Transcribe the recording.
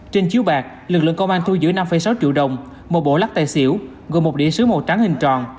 trên chiếu bạc lực lượng công an thu giữ năm sáu triệu đồng một bộ lắc tài xỉu gồm một đĩa xứ màu trắng hình tròn